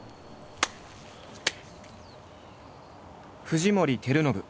藤森照信。